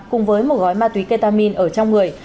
cùng với một gói ma túy ketamin ở trong người